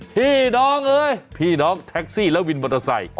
พี่น้องเอ้ยพี่น้องแท็กซี่และวินมอเตอร์ไซค์